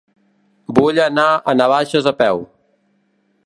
Vull anar a Navaixes a peu.